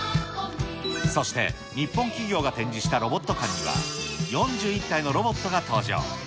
そして、日本企業が展示したロボット館には、４１体のロボットが登場。